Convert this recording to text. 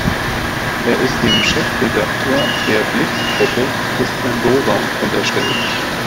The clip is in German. Er ist dem Chefredaktor der "Blick"-Gruppe, Christian Dorer, unterstellt.